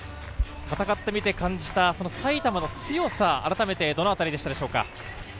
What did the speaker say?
戦ってみて感じた埼玉の強さをあらためてどの辺りでしたでしょうか？